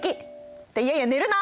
っていやいや寝るな！